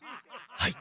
はい。